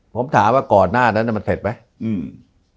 ผมถามว่าก่อนหน้านั้นมันเสร็จไหมอืม